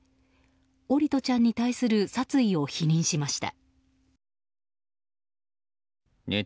桜利斗ちゃんに対する殺意を否認しました。